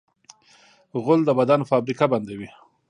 غول د بدن فابریکه بندوي.